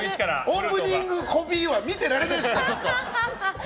オープニングこびは見てられないですから。